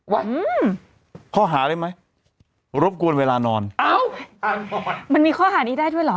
อืมข้อหาได้ไหมรบกวนเวลานอนเอ้ามันมีข้อหานี้ได้ด้วยเหรอ